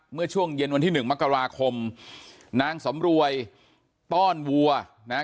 เมื่อช่วงเย็นวันที่หนึ่งมกราคมนางสำรวยต้อนวัวนะฮะ